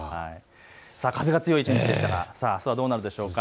風が強い一日でしたがあすはどうなるでしょうか。